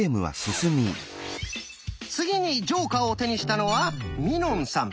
次にジョーカーを手にしたのはみのんさん。